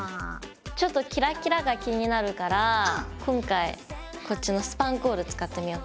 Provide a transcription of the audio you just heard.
ちょっとキラキラが気になるから今回こっちのスパンコール使ってみよう。